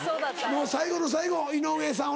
もう最後の最後井上さん